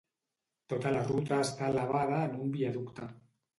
Tota la ruta està elevada en un viaducte.